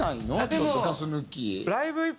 ちょっとガス抜き。